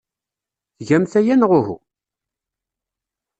Tgamt aya, neɣ uhu?